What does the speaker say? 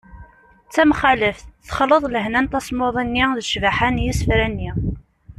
d tamxaleft : texleḍ lehna n tasmuḍi-nni d ccbaḥa n yisefra-nni